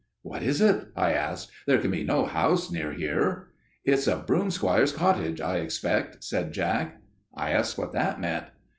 "'What is it?' I asked. 'There can be no house near here.' "'It's a broomsquire's cottage, I expect,' said Jack. "I asked what that meant.